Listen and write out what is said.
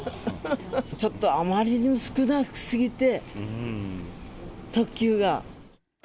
ちょっとあまりにも少なすぎて、特急が。